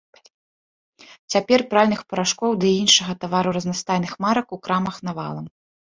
Цяпер пральных парашкоў ды і іншага тавару разнастайных марак у крамах навалам.